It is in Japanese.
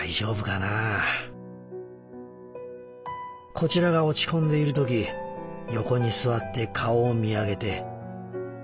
こちらが落ち込んでいる時横に座って顔を見上げてにゃあと一声。